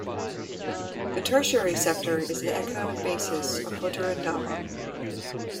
The Tertiary sector is the economic basis of Potirendaba.